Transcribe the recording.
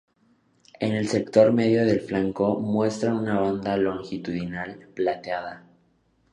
En el sector medio del flanco muestra una banda longitudinal plateada.